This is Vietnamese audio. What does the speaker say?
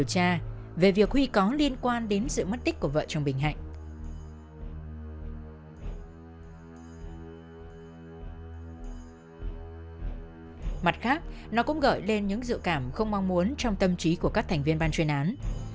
cảm không mong muốn trong tâm trí của các thành viên ban chuyên án